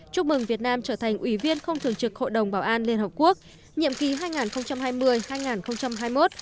chúc mừng việt nam trở thành ủy viên không thường trực hội đồng bảo an liên hợp quốc nhiệm ký hai nghìn hai mươi hai nghìn hai mươi một